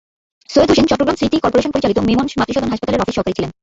Syed Hossain Chittagong city corporation পরিচালিত মেমন মাতৃসদন হাসপাতালের অফিস সহকারী ছিলেন।